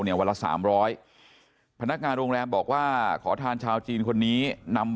เนี่ยวันละ๓๐๐พนักงานโรงแรมบอกว่าขอทานชาวจีนคนนี้นำ